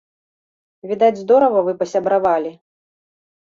Відаць, здорава вы пасябравалі.